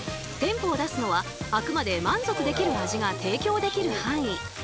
店舗を出すのはあくまで満足できる味が提供できる範囲。